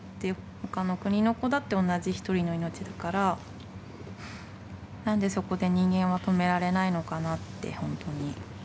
他の国の子だって同じ一人の命だから何でそこで人間は止められないのかなってほんとに。